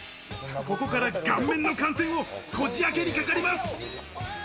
ここから顔面の汗腺をこじあけにかかります。